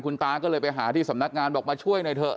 คุณตาก็เลยไปหาที่สำนักงานบอกมาช่วยหน่อยเถอะ